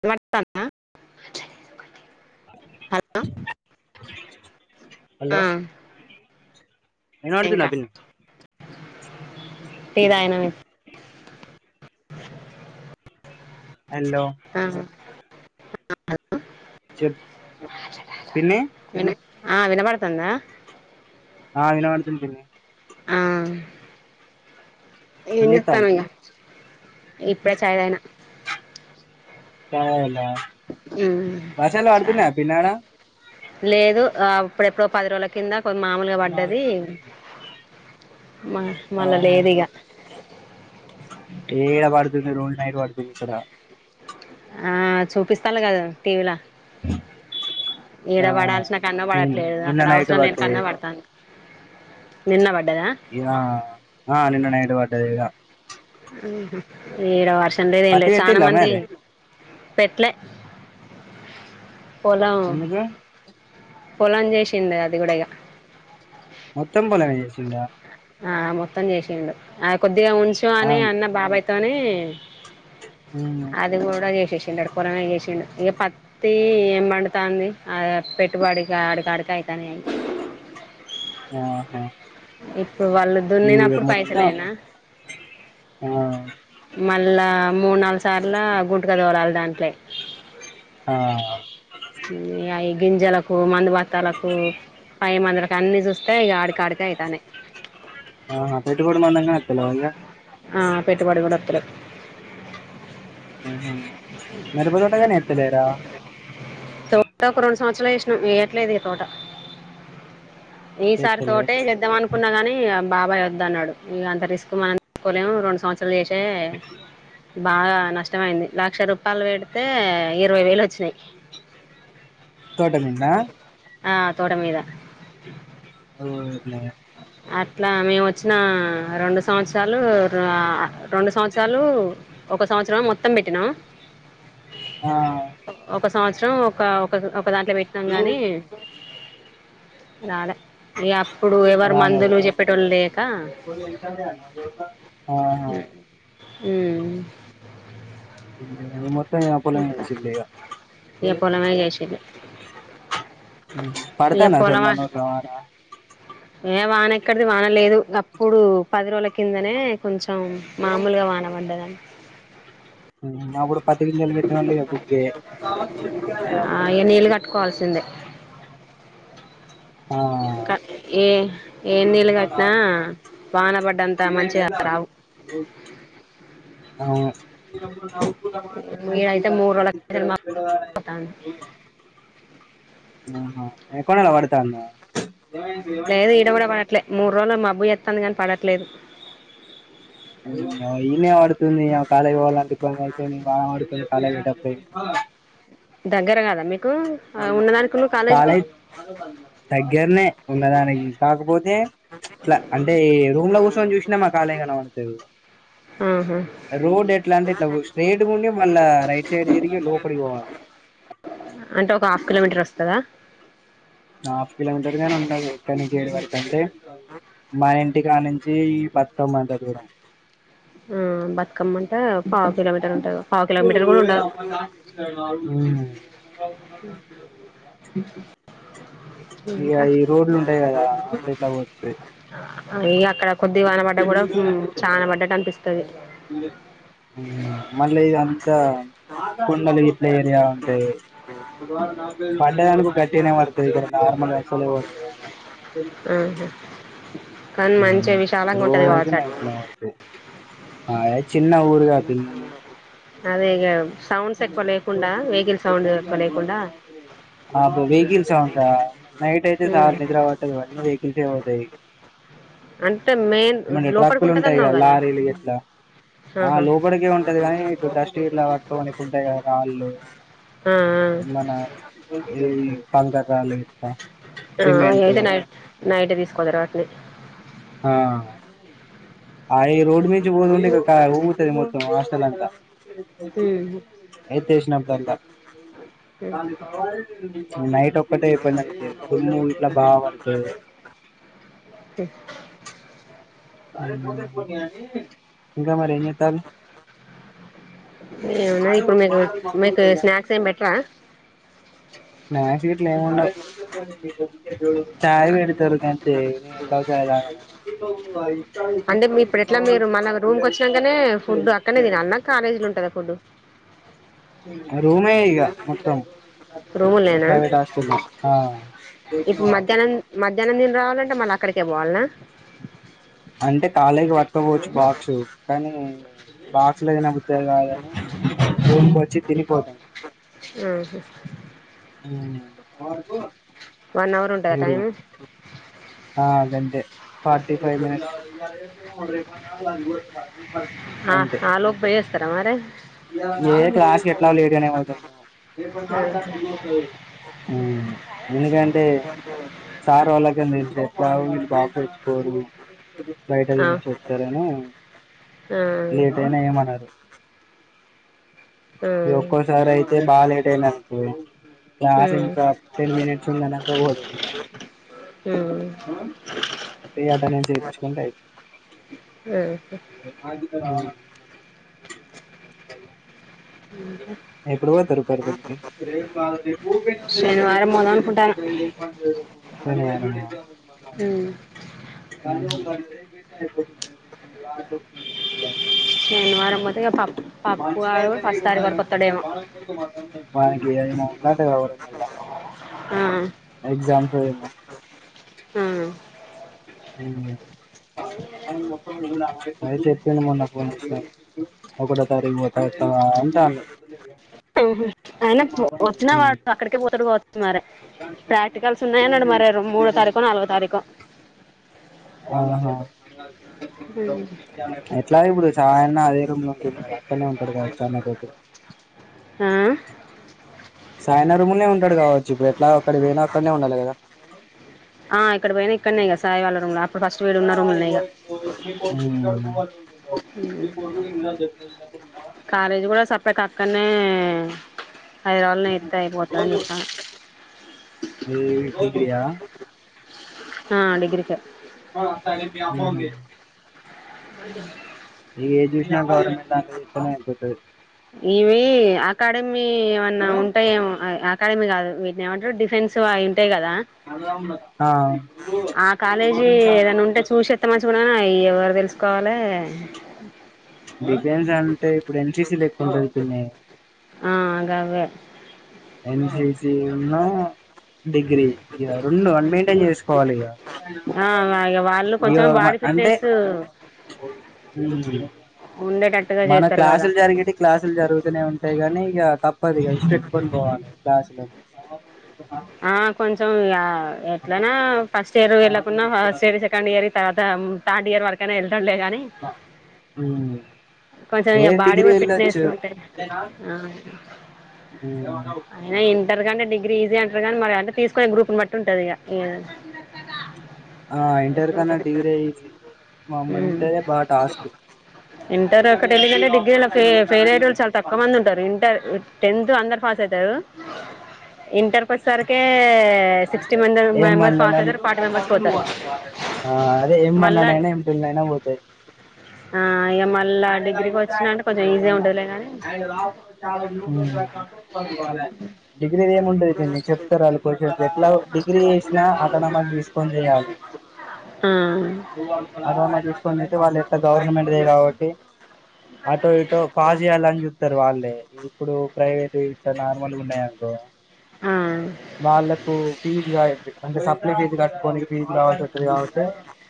త [inaudible] [unintelligible] ఆ హలో వినపడుతుందా ఇంకా పిన్ని టీ తాగిన నేన్ హలో ఆ చెప్ పిన్ని పిన్ని ఆ వినబడుతుందా ఆ వినపడుతుంది పిన్ని ఆ ఏం చేత్తన ఇంగా ఇప్పుడే చాయ్ తాగిన సరేలే మ్మ్ వర్షాలు చాయ్ పడుతున్నాయి పిన్ని అడా లేదు ఆ ఇప్పుడెప్పుడో పది రోజుల కింద కొ మామూలుగా పడ్డది మా మళ్ళా లేదిగా ఏ ఈడ పడుతుంది రోజు నైట్ పడుతుంది ఈడా ఆ చూపిస్తను కదా టీవీ లా ఈడ ఆ పడాల్సిన కన్నో పడట్లేదు నిన్న అక్కడ నైట్ అవసరం లేను పడ్డది కన్నో పడతుంది నిన్న పడ్డదా ఇగ నేను నైట్ పడ్డదిగా ఈడ వర్షం లేదు ఏం పత్తి లేదు పెట్టిల్లా చాలామంది మరి పెట్టలే పొలం ఎందుకు పొలం చేసింది అది కూడా ఇక మొత్తం పోలే చేసిందా ఆ మొత్తం చేసిండు ఆ కొద్దిగా ఆ ఉంచమన్నావు మరి బాబాయ్తోని మ్మ్ అది గూడా చేసేసిండు పొలమే చేసిండు ఇగ పత్తి ఏం పండుతుంది [unintelligible] వాడికి ఆడి కాడికి అయితాని ఆహా ఇప్పుడు వాళ్ళు ఈ దున్నినప్పుడు పైసల మొత్తం అయినా ఆ మ మళ్ళా మూడు నాలుగు సార్లు గుంట క తోలాలి దాంట్లో ఆ అయి గింజలకు మందుభత్తాలకు పై మందులకు అన్ని చూస్తే ఆడి కాడి అయితాని ఆ పెట్టుబడి మందంగా ఓతలేవా మరి ఇగ ఆ ఆహా మిరప తోట గాని ఎత్తలేరా త త ఒక రెండు సంవత్సరాల చేసినం ఎయ్యాట్లేదు ఇక తోట ఈసారి ఏత్తలే తోటే చేద్దాం అనుకున్నా గానీ బాబాయ్ వద్దు అన్నాడు ఇగ అంత రిస్క్ మనం తీసుకోలేము రెండు సంవత్సరాలు చేసే బాగా నష్టమయింది లక్ష రూపాయలు పెడితే ఇరవై వేలు వచ్చినాయి తోట మీదనా ఆ తోట మీద ఇట్లా మేము వచ్చిన రెండు సంవత్సరాలు ఆ రెండు సంవత్సరాలు ఒక సంవత్సరం మొత్తం పెట్టినం ఆ ఒక సంవత్సరం ఒక ఒక ఒక దాంట్లో పెట్నాాం గాని రాలే అప్పుడు ఎవరు రాలేదా మందులు చెప్పేట వాళ్ళు లేయక ఆహా ఈ పోలేగా ఇక పొలమే చేసింది ఇక పడతానా సార్ పొలం మానూరు సవార ఏ వాన ఎక్కడిది వాన లేదు అప్పుడు పది రోజుల కిందనే కొంచెం కొంచెం మామూలుగా వాన పడ్దండి డు పతు కాల పెట్డి బుగే ఆ ఇగ నీళ్ళు కట్టుకోవాల్సిందే ఆ క ఏ ఏ నీళ్ళు కట్నా వాన పడ్డంత మంచిగా రావు అ డ ఈడైతే మూడు రోజుల కిందట మబ్బు పడతాంది కొనాలా వాడుత అన్నా లేదు ఈడ కూడా పడట్లేదు మూడు రోజులు మబ్బు ఎస్తుంది కాని పడట్లేదు ఇనే ఆడుతుంది కాలేకి పోవాలంత అవుతుంది బాడుతుంది చాలటప్పయి దగంగగరంగాదా మీ కాలే్ దగ్గరనే ఉన్నదానికి కాకపోతే ఇలా అంటే రూమ్ లో కూసని చూసినా మాకు ఆలయం కలమతుంది ఆహా రోడ్ ఎట్లా అంటే స్ట్రేట్గా ఉండి మళ్ళా రైట్ సైడ్ తిరిగి లోపలి పోవాలి అంటే ఒక హాఫ్ కిలోమీటర్ వస్తుందా హాఫ్ కిలోమీటర్గానే ఉండదు ఇ ఏడు వర ంటే మా ఇంటికి ఆ నుంచి వస్తంమ దగరం ఆ బతుకమ్మ అంటే పావు కిలోమీటర్ ఉంటుంది ే అమ్మా తా ఇగ ఇంకా ఈ రోడ్లు ఉంటాయి కదా అట్లా ఇట్లా పోవచ్చు అ అక్కడ చాన పడ్డ కూడా చాన పడ్డ కనిపిస్తుంది మళ్ళీ ఇ అంతా కొండలు ఇట్ల ఏరియా ఉంటాయి ఒక బ నాకుే [unintelligible] బడ్డదాలుకు గట్నే వడుతుది ఇ నార్మల్ వసలే ఓ ఆహా కానీ మంచిగా విశాలంగా ఉంటది రోజు కావచ్చు అటు నైట్ని వాడుతే అ చిన్న ఊరుగాపి అదే ఇగ సౌండ్స్ ఎకువల్కుంట వెగిల్స్ ఉనుకా నైట్ అయితే స ఉమ్ మీద వా సవ అంటే మెయిన్ అమంటే లోపలికి ట్రక్కులు ఉంటాయి ఉంటదన్నావు కదా లారీలు ఎట్లా ఆ ఆహా లోపలికే ఉంటది కాగానీ ఇప్పుడు డస్ట్ ఇలా పట్టుని పంట రాళ్ళు ఆ మన ఈ కంకర రాళ్లు ఆ అ అయితే నైట్ నైట్ తీసుకోదరు వాటిని అ రోడ్ మీంచి బోతే ఊగుతది మొత్తం శ్రీలంక ఉమ్ ఏతేషినకా నైట్ ఒక్కటే ఫు ఇట్లా బాగాంటతుంది హ ఇంక మరి ఏం చెత్తారు ఏమున్నాయి ఇప్పుడు మీకు మీకు స్నాక్స్ ఏమి పెట్టరా మ్యాగ్స్ గిట్ల ఏముండ వ్ చాయ్ పేడితరు ఇగ అంతె నేన్ ఎట్లో చాయ్ తాగను అంటే ఇప్పుడు ఎట్ల మీరు మళ రూమ్ కు వచ్చినాకనే ఫుడ్ అక్కనే తినాలన కాలేజీలో ఉంటుదా ఫుడ్ ఆ రూమె ఇగా మొత్తం రూములెనా ప్రైవేట్ హాస్టల్లో ఆ ఇప్పు మధ్యాహ్నం మధ్యాహ్నం నేను రావాలంటే మళ్ళ అక్కడకే పోవాల్నా అంటే కలేజ్ పర్కపోవచ్చు బాక్సు కానీ బాక్ అగులు తినబోదు కాదని రూమ్ కి వచ్చి తినిపోతాం ఆహ ఆ వన్ అవర్ ఉంటదా టైమ్ ఆ అదంతె ఫాటీ ఫైవ్ మినిట్స్ అ గంతే ఆ లోప్ పోయోస్తరా మరి ఏ క్లాస్ ఎట్ల లేట్ నె పోతాను ఆహా ఉ ఎందుకంటే సార్ వాళ్లకు గాని చెప్ప మీరు బాక్స్ తెచ్చుకోరు బయట ఆ వెళ్లేసి వచ్చారేమో ఆ లేట్ అయిన ఏమనరు ఆ ఉమ్ ఒక్కోసారి అయితే బాగ లేటై న్ది అనుకో క్లాస్ వింటా టెన్ మినిట్స్ ఉందనక పోదాం ఇక ఉమ్ పోయి అటెండెన్స్ వేయించుకుంటే అయి ఆహా అది క రావాలనమాట ఎప్పుడు పోతారు పర్వింద్ కి శనివారం పోదాం అనుకుంటాన సరే అన్నయ్య మ్ హమ్ వారం పోతే ఇక పప్పు వాడు ఫస్ట్ టైం పనికి ఏమవుతాది వారం మల్ల ఆ ఎగ్జామ్ కి పోయి ఉన్న హ హమ్ అయితే చెప్తుంది. మొన్న ఫోన్ చేసి నాకు ఒకటో తారీఖు పోతే వస్తావా అంటారు ఉహుమ్ ఆయన వచ్చిన వాడు అక్కడికే పోతాడు కావచ్చు మరి ప్రాక్టికల్స్ ఉన్నాయి అన్నాడు మరి మూడో తారీఖో నాలుగో తారీఖ్ ఆహా ఎట్లానె ఇప్పుడు సాయి అన్న అదే రూమ్ లో ఉంటుండు కదా అక్కడనే ఉంటుడు కదా చరణ్ తోటి ఆ సాయి అన్న రూమ్ లోనే ఉంటాడు కావచ్చు ఇప్పుడు అట్లా అక్కడ పోయినా అక్కడనే ఉండాలి కదా ఆ ఇక్కడ ఇక్కడనే కదా సాయి వాళ్ళ రూమ్ లో అప్పుడు ఫస్ట్ ఇక్కడ ఉన్న రూమ్ లోనే గా మ్ కాలేజీ కూడ సపరేట్ గా అక్కడనే హైదరాబాద్ లోనే ఎస్తే అయిపోతాని చూస్తాను ఏవి డిగ్రీ ఆ ఆ డిగ్రీకే మ్ హు రైట్ వన్ ఏది చూసినా గవర్నమెంట్ దాంట్లో చేస్తేనే అయిపోతది ఇవి అకాడమీ ఏమన్నా ఉంటాయేమో ఆయ్ ఆ కాడమీ కాదు వీటిని ఏమంటారు డిఫెన్స్ అవి ఉంటాయి కదా ఆ ఆ కాలేజీ ఏదన్నా ఉంటే చూసోస్తే మంచిగా ఉండు కాని అయ్యో తెలుసుకోవాలే డిఫెన్స్ అంటే ఇప్పుడు ఎన్సిసి ల ఎక్కువగా ఉంటాది పిన్ని ఆ గవ్వే ఎన్సిసి ఉన్ను డిగ్రీ ఇగ రెండు మైంటైన్ చేసుకోవాలి ఇగా ఇగో ఆ చేసు మ్ ఉండేటట్ మన క్లాసులు జరిగిటివి క్లాసులు జరుగుతూనే ఉంటాయి గానీ ఇగ తప్పదిగా ఇడిసిపెట్టుకొని పోవాలి క్లాస్మెంట్ ఆ కొంచెం ఇగ ఎట్లైనా ఫస్ట్ ఇయర్ వెళ్లకుండా ఫస్ట్ ఇయర్ వి సెకండ్ ఇయర్ తర్వాత తం థర్డ్ ఇయర్ వరకైనా ఎళ్తాము లే గానీ మ్మ్ కొంచెం ఏ ఇగ బాడీ డిగ్రీ కూడా ఫిట్నెస్ వెళ్ళొచ్చు ఉంటాది ఆ మ్ అంటారు గాని డిగ్రీ ఈజీ అంటారు గానీ మరి అంటే తీసుకునే గ్రూప్ బట్టి ఉంటది ఇగ ఆ ఇంటర్ కన్నా ఎట్లుంటది డిగ్రీ అయ్యది మ మా ఉమ్ ఇంటరే బాగా టాస్క్ ఇంటర్ ఒకటి ఎలిదంటే డిగ్రీల ఫె ఫెయిల్ అయేటోళ్ళు చాల తక్కువ మంది ఉంటారు ఇంటర్ టెన్త్ అందరు పాస్ అయితారు ఇంటర్కి వచ్చేసరికే సిక్స్టీ మె ఏం వన్ మెంబెర్స్ పాస్ లోనైనా అవుతారు ఫార్టీ మెంబర్స్ పోతారు ఆ అదే మళ్ళా ఎమన్నానైనా ఎం పిల్ అైనా పోతాద్ ఆ ఇగ మళ్ళా డిగ్రీకోచ్చినంటే కొంచెం ఈజీగా ఉంటదిలే కాని డిగ్రీది ఎం ఉంటది పిన్ని చెప్తారు అళ్ళు కోషన్స్ ఎట్లాగో డిగ్రీ వేసినా అటానమస్ తీసుకొని చేయాలి అ చూసుకోని అయితే వాళ్ళు ఎట్లా గవర్నమెంట్ కాబట్ ఆటో ఇటో పాస్ చేయాలాని చూతారు వాళ్ళే ఇప్పుడు ప్రైవేట్ ఇట్లా నార్మల్ ఉన్నాయనుకో ఆ వాళ్ళకు ఫీస్ గా అంటే సప్లి ఫీస్ కట్టుకోనికి కావాల్సివస్తది కాబట్టి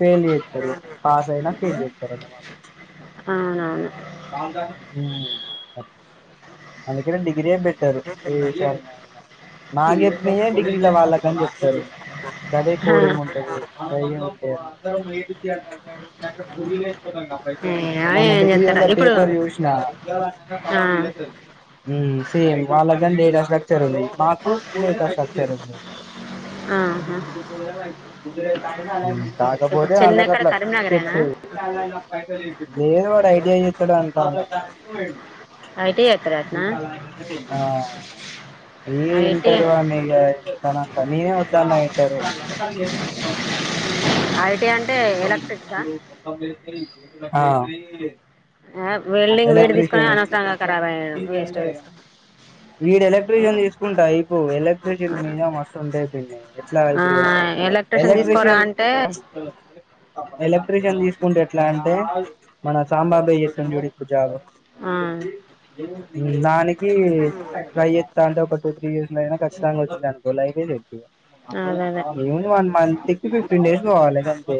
ఫెల్ చేస్తారు పాస్ అయినా ఫెల్ చేస్తారన్నమ అవునవును అందుకే ఎక్కడ డిగ్రీ ఏ బెటర్ ఈ [unintelligible] లో అయినా మాకు చెప్పినయే డిగ్రీల వాళ్ళకని చెప్ప్పారు గదే ఆ కోడింగ్ ఉంటది గయ్యే ఉంటాయి ఏమో మొన్న ఏం చేత్తరో డిగ్రిల ఇప్పుడు ఆ మ్ సేమ్ వాళ్ళ చరండీ మాకు మీగత సబ్ ఆహా ఇ గుజ కాయ ఇప్పుడు కాకపోతే వాళ్ళకి చిన్నెక్కడ అట్లా కరీంనగరేనా చెప్పేయ్ లేదు వాడు ఐ. టి. ఐ చేస్తాడు అంటా ఐటీ చేత్తరటనా ఆ ఈ ఐటీ ఇంటర్ అని కాదు నేనే వద్దన్నా ఇంటరు ఐటీ అన్ ఆ ఆ వెల్డింగ్ వీడు తీసుకుని ఎలెక్ట్ర్రిషన్ అనవసరంగా అవచ్చు ఖరాబ్ అయ్యాడు వేస్ట్గా తీసుకుని వీడు ఎలక్ట్రీషియన్ తీసుకుంటా అయిపోవు ఎలక్ట్రిషియన్ మీద మస్తు ఉంటాయి పిన్ని ఎట్లా ఆ ఇప్పుడు ఎలక్ట్రిషియన్ తీసుకోరా ఎలక్ట్రీషియన్ అంటే ఎలక్ట్రీషియన్ తీసుకుంటే ఎట్లా అంటే మన సాంబాబే చెత్తుండు ఇప్పుడు జాబు ఆ నాకి ట్రై చేత్తాంటే ఒక టూ త్రీ ఇయర్స్ లో అయినా ఖచ్చితంగా వచ్చిందనుకో ఐ. టి. ఐ చేత్తి అదే అదే లేదు వన్ మంత్కి ఫిఫ్టీన్ డేస్ పోవాలి గంతే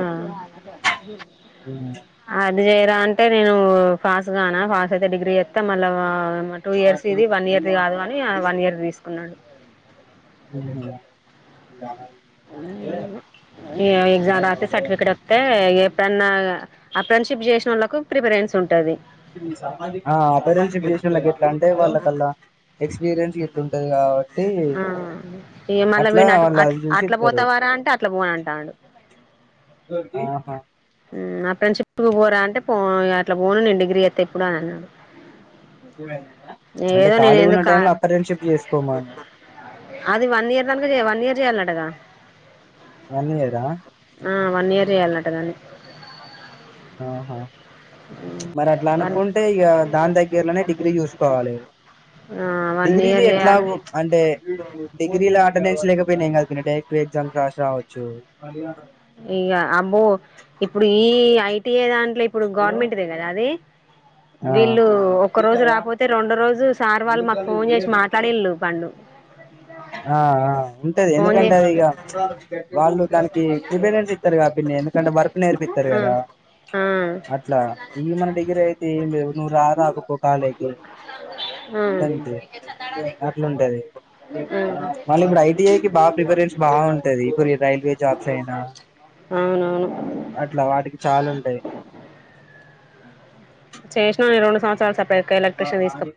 ఆ ఆది ఇదే చేయరా అంటే నేను ఫాస్ గానా ఫాస్ అయితే డిగ్రీ చేస్తా మళ్ళా టూ ఇయర్స్ ఇది వన్ ఇయర్ది కాదు అని వన్ ఇయర్ తీసుకున్నాడు మ్మ్ ఏమో ఎగ్జామ్ రాత్తే సర్టిఫికెట్ వత్తే ఏప్ ఎప్పుడన్నా అఫ్రెన్షిప్ చేసినోళ్లకి ప్రిపరెన్స్ ఉంటది ఆ అప్ప్రెంటిక్షిప్ చేసినోళ్లకి ఎట్లా అంటే వాళ్ళకల్ల ఎక్స్పి ఎక్స్పీరియన్స్ గిట్లుంటది కాబట్టి ఏ మళ్ళ అట్లా పైనా అట్ల్ వాళ్ళు అట్ల అది చూసి అట్ల ఇస్తారు పోతావారా అంటే అట్లా పోనంటాండు ఆహా ఆఫ్రెండ్షిప్ పోరా అంటే పో అట్లా పోను నేను డిగ్రీ చేత్తా ఇప్పుడు అని అన్నాడు అంటే ఏదో నేను కాళిగా ఉన్న ఎందుకు కా టైంలో అప్రెంటిషిప్ చేసుకోమను అది వన్ ఇయర్దాంకా చెయ వన్ ఇయర్ చేయాలంటగా వన్ ఇయరా ఆ వన్ ఇయర్ చేయాలంటగా దాన్ని ఆహా మరి అట్లా వన్ అనుకుంటే ఇక దాని దగ్గర్లోనే డిగ్రీ చూసుకోవాలి ఆ వన్ డిగ్రీది ఇయర్ చేయాలి ఎట్లాగో అంటే డిగ్రీ లా అటెండెన్స్ లేకపోయినా ఏం కాదు పిన్ని డైరెక్ట్గా పోయి ఎగ్జామ్స్ రాసి రావచ్చు ఇక అంటే ఏదాంట్లో ఇప్పుడు గవర్నమెంట్దే కదా అది ఆ వీళ్ళు ఒక్క రోజు రాపోతే రెండు రోజు సార్ వాళ్ళు మాకు ఫోన్ చేసి మాట్లాడిళ్ళు పండు ఆ ఆ ఉంటది ఫోన్ చే ఎందుకంటే ఇగ వాళ్ళు దానికి ప్రిఫరెన్స్ ఇస్తారు కదా పిన్ని ఎందుకంటే వర్క్ నేర్పిస్తారు ఆ కదా ఆ ఆ అట్లా ఈ మన డిగ్రీ అయితే ఏమి లేవు నువ్వు రామాకుపో కాలేకి అంతే అట్లుంటది ఆ మళ్ళీ ఇప్పుడు ఐ. టి. ఐ కి బాగా ప్రిఫరెన్స్ బాగుంటది ఇప్పుడు రైల్వే జాబ్స్ అయినా అవునవును అట్లా వాటికి చాలుంటాయి చేసినా ఈ రెండు సంవత్సరాలు సెపరేట్ గా ఎలక్ట్రిషయన్ తీసుకొత్తారు